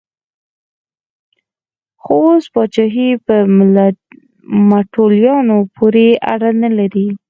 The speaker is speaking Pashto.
خو اوس پاچاهي په متولیانو پورې اړه نه لري.